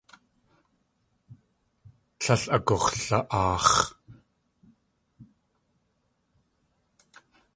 Tlél agux̲la.aax̲.